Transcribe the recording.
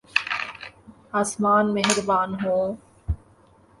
آسمان مہربان ہوں۔